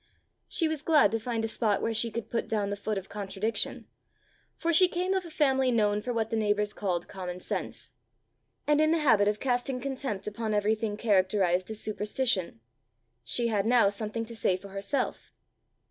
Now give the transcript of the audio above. She was glad to find a spot where she could put down the foot of contradiction, for she came of a family known for what the neighbours called common sense, and in the habit of casting contempt upon everything characterized as superstition: she had now something to say for herself!